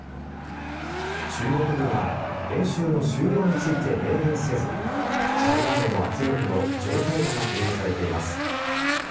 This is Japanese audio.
中国軍は演習の終了について明言せず台湾への圧力の常態化が懸念されています。